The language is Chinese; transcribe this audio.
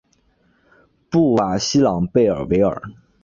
布瓦西朗贝尔维尔。